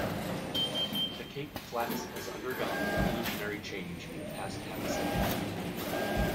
The Cape Flats has undergone revolutionary change in the past half a century.